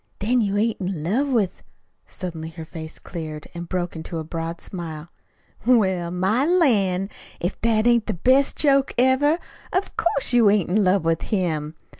"Then you ain't in love with " Suddenly her face cleared, and broke into a broad smile. "Well, my lan', if that ain't the best joke ever! Of course, you ain't in love with him!